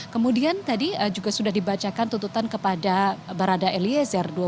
kemudian tadi juga sudah dibacakan tuntutan kepada barada eliezer